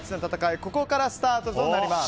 ここからスタートとなります。